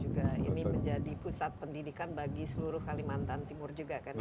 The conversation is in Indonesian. dan juga ini menjadi pusat pendidikan bagi seluruh kalimantan timur juga kan pak